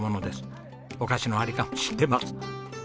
お菓子の在りかも知ってます。